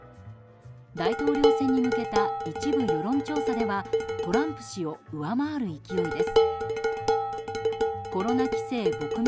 大統領選に向けた一部世論調査ではトランプ氏を上回る勢いです。